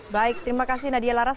baik terima kasih nadia laras